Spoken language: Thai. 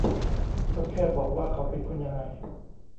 ก็แค่บอกว่าเขาเป็นคนยังไง